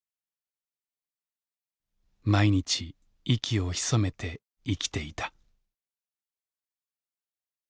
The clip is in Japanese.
「毎日息を潜めて生きていた」。